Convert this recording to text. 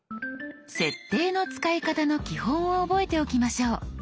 「設定」の使い方の基本を覚えておきましょう。